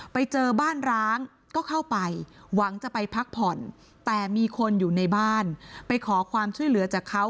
ไปเจอบ้านร้างก็เข้าไปหวังจะไปพักผ่อนแต่มีคนอยู่ในบ้านไปขอความช่วยเหลือจากเขา